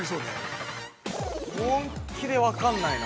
◆本気で分かんないな。